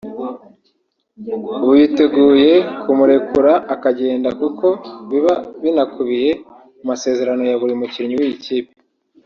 biteguye kumurekura akagenda kuko biba binakubiye mu masezerano ya buri mukinnyi w’iyi kipe